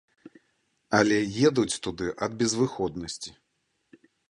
Але едуць туды ад безвыходнасці.